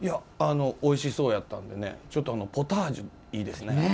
おいしそうやったのでちょっとポタージュいいですね。